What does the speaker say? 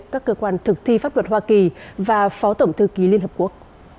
các cơ quan thực thi pháp luật hoa kỳ và phó tổng thư ký liên hợp quốc